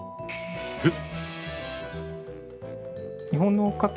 えっ？